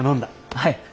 はい。